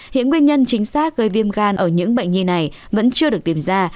hiện nguyên nhân chính xác gây viêm gan ở những bệnh nhi này vẫn chưa được tìm ra